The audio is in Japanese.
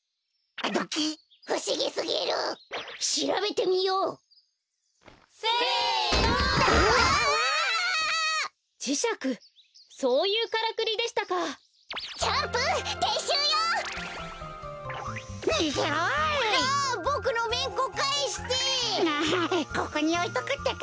あここにおいとくってか。